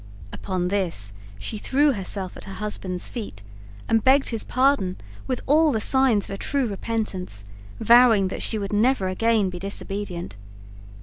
Upon this she threw herself at her husband's feet, and begged his pardon with all the signs of a true repentance, vowing that she would never again be disobedient.